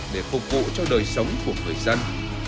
để phục vụ cho đời sống của người dân